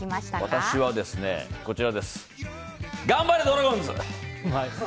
私は、がんばれドラゴンズ！！